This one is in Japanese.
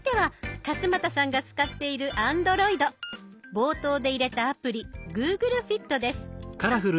冒頭で入れたアプリ「ＧｏｏｇｌｅＦｉｔ」です。